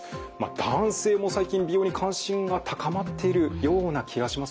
男性も最近美容に関心が高まってるような気がしますよね。